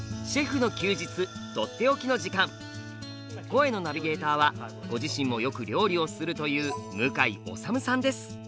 声のナビゲーターはご自身もよく料理をするという向井理さんです。